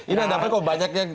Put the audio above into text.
ini ada apa kok banyaknya